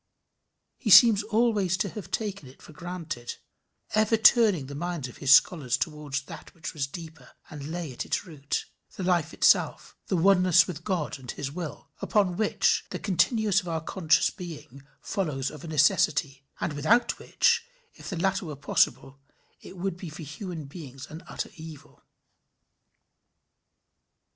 He seems always to have taken it for granted, ever turning the minds of his scholars towards that which was deeper and lay at its root the life itself the oneness with God and his will, upon which the continuance of our conscious being follows of a necessity, and without which if the latter were possible, it would be for human beings an utter evil.